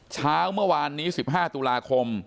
เช้าเมื่อวานนี้๑๕ตุลาคม